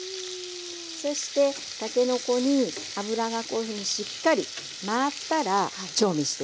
そしてたけのこに脂がこういうふうにしっかり回ったら調味していきますね。